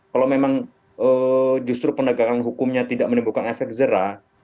kalau memang justru penegakan hukumnya tidak menimbulkan efek jerah